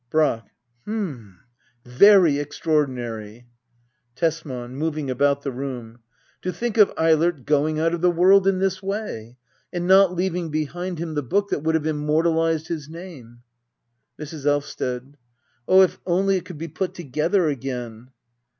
Brack. H'm, very extraordinary. Tesman. [Moving about the room,] To think of Eilert going out of the world in this way ! And not leaving behind him the book that would have immortalised his name Mrs. Elvsted. Oh, if only it could be put together again